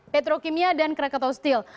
petrokimia dan krakatoa steel